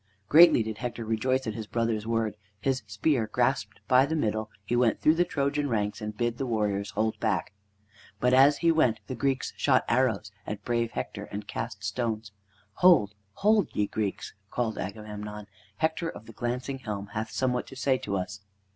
Greatly did Hector rejoice at his brother's word. His spear grasped by the middle, he went through the Trojan ranks and bid the warriors hold back. But as he went, the Greeks shot arrows at brave Hector and cast stones. "Hold! hold! ye Greeks," called Agamemnon. "Hector of the glancing helm hath somewhat to say to us."